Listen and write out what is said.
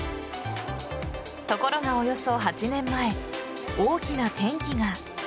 ところがおよそ８年前大きな転機が。